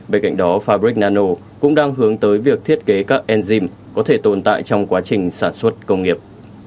bên cạnh đó fabric nano cũng đang hướng tới việc thiết kế các enzym có thể tồn tại trong quá trình sản xuất công nghiệp